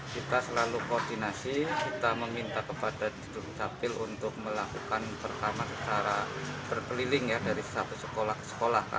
kita selalu koordinasi kita meminta kepada judul capil untuk melakukan pertama secara berkeliling ya dari satu sekolah ke sekolah